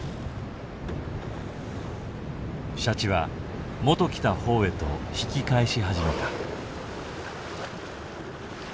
シャチはもと来た方へと引き返し始めた。